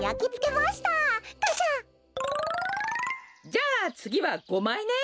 じゃあつぎは５まいね。